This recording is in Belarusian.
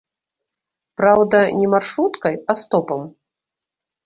Праўда, не маршруткай, а стопам.